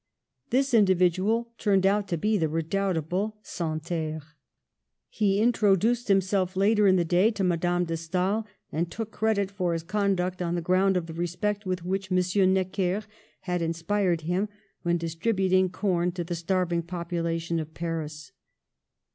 This individual turned out to be the redoubta ble Santerre. He introduced himself later in the day to Madame de Stael, and took credit for his conduct on the ground of the respect with which M. Necker had inspired, him when distributing corn to the starving population of Paris.